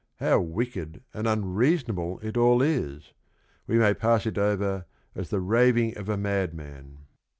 How wicked and unreasonable it all is ! We may pass it over as the raving of a madman.